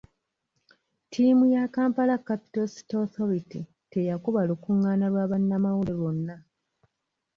Ttiimu ya Kampala Capital City Authority teyakuba lukungaana lwa bannamawulire lwonna.